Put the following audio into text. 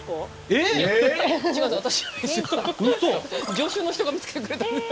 助手の人が見つけてくれたんです。